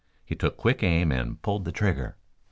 He took quick aim and pulled the trigger.